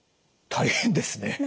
大変ですね。